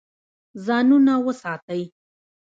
ځانونه وساتئ.